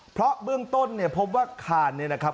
เพราะเบื้องต้นเนี่ยพบว่าคานเนี่ยนะครับ